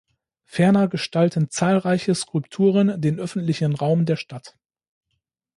Ferner gestalten zahlreiche Skulpturen den öffentlichen Raum der Stadt.